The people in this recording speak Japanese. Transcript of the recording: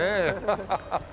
ハハハハ。